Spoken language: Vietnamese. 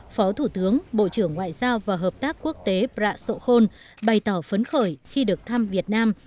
phó thủ tướng bộ trưởng ngoại giao và hợp tác quốc tế prasokhon bày tỏ phấn khởi khi được thăm việt nam